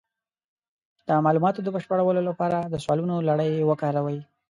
د معلوماتو د بشپړولو لپاره د سوالونو لړۍ وکاروئ.